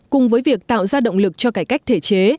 cùng với việc tạo ra động lực cho cải cách thể chế